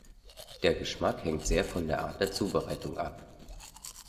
Der Geschmack hängt sehr von der Art der Zubereitung ab.